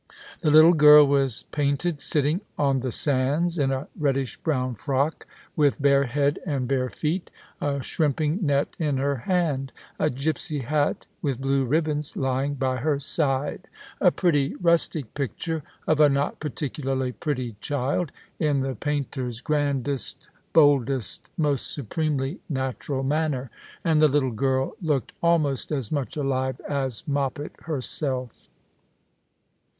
The little girl was painted sitting on the sands, in a reddish brown frock, with bare head and bare feet, a shrimping net in her hand, a gipsy hat with blue ribbons lying by her side. A pretty rustic picture of a not par ticularly pretty child, in the painter's grandest, boldest, most supremely natural manner ; and the little girl looked almost as much alive as Moppet herself.